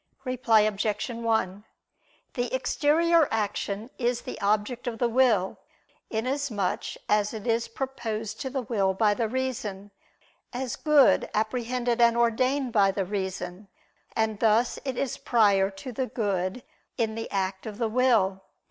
Reply Obj. 1: The exterior action is the object of the will, inasmuch as it is proposed to the will by the reason, as good apprehended and ordained by the reason: and thus it is prior to the good in the act of the will.